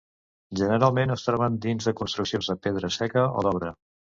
Generalment es troben dins de construccions de pedra seca o d'obra.